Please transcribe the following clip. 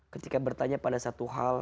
ketika bertanya pada satu hal